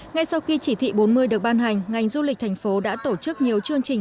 ngay sau khi chỉ thị bốn mươi được ban hành ngành du lịch thành phố đã tổ chức nhiều chương trình